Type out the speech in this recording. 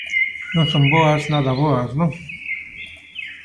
Non son boas Nada boas, non?